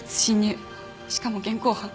しかも現行犯。